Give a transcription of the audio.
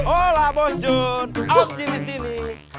hola bos jun om jin di sini